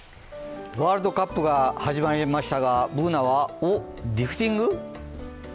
ワールドカップが始まりましたがＢｏｏｎａは、お、リフティング？